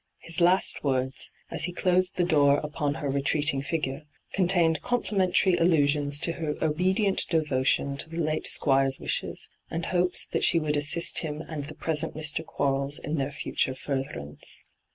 His last words, as he closed the door upon her retreating figure, contained complimentary allusions to her obedient devotion to the late Squire's nyt,, 6^hyG00>^lc ENTRAPPED loi wishes, and hopes that she would assist him and the present Mr. Qoarles iu their future furtherance.